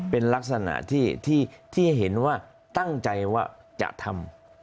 เป็นลักษณะที่เห็นว่าตั้งใจว่าจะทำ